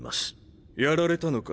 やられたのか？